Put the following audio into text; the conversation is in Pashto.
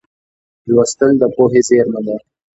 لوستل د پوهې زېرمه ده.